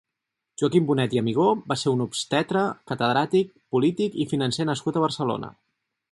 Joaquim Bonet i Amigó va ser un obstetra, catedràtic, polític i financer nascut a Barcelona.